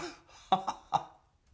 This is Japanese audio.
ハハハ！